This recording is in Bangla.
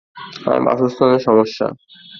আপনার বাসস্থানে সমস্যা।